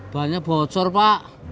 bannya bocor pak